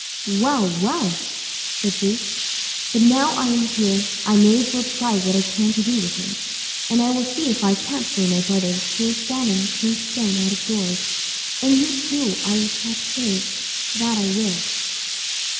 "Well! well!" said Boots; "but now that I am here, I may as well try what I can do with him; and I will see if I can't free my brothers, who are standing turned to stone out of doors; and you, too, I will try to save, that I will."